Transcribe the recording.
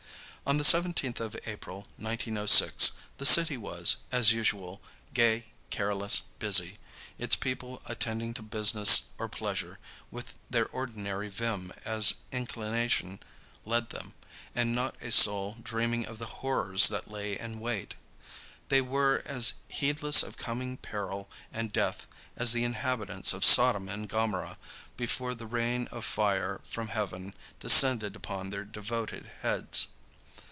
On the 17th of April, 1906, the city was, as usual, gay, careless, busy, its people attending to business or pleasure with their ordinary vim as inclination led them, and not a soul dreaming of the horrors that lay in wait. They were as heedless of coming peril and death as the inhabitants of Sodom and Gomorrah before the rain of fire from heaven descended upon their devoted heads.